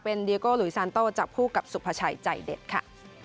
เป็นเดียโกหลุยซานโต้จับคู่กับสุภาชัยใจเด็ดค่ะ